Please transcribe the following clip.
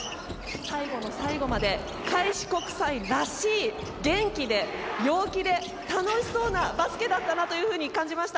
最後の最後まで開志国際らしい元気で陽気で楽しそうなバスケだったなと感じました。